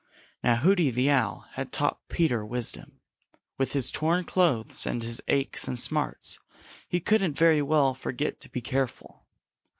Now Hooty the Owl had taught Peter wisdom. With his torn clothes and his aches and smarts he couldn't very well forget to be careful.